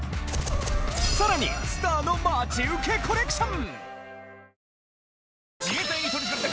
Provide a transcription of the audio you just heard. さらにスターの待ち受けコレクション！